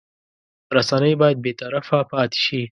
رسنۍ باید بېطرفه پاتې شي.